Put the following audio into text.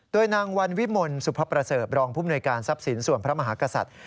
โดยนางวันวิมลสุพประเสริมรองทพภาพศัพท์ศิลป์สวมพระมหากษัตริย์